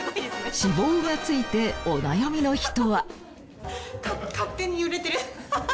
脂肪がついてお悩みの人は。